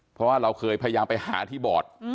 เพราะว่าเราเคยพยายามไปหาที่บอร์ด